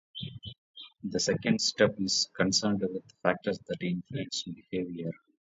The second step is concerned with factors that influence behaviour.